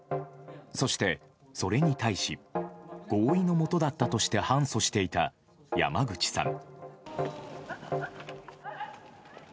そして、それに対し合意のもとだったとして反訴していた山口さん。